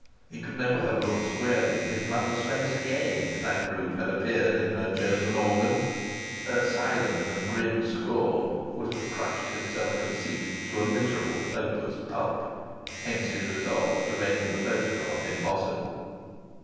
He could never have looked squarely in his mother's face again if that group had appeared in her chosen organ! Her silent and grim scorn would have crushed his self conceit to a miserable, hopeless pulp. Hence his resolve to render the photograph impossible.